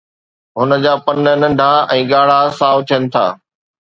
هن جا پن ننڍا ۽ ڳاڙها سائو ٿين ٿا